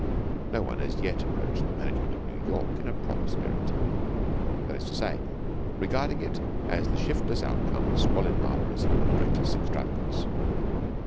No one as yet has approached the management of New York in a proper spirit; that is to say, regarding it as the shiftless outcome of squalid barbarism and reckless extravagance.